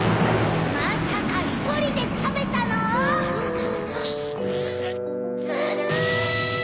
まさかひとりでたべたの⁉・ずるい！